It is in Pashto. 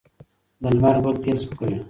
د لمر ګل تېل سپک وي.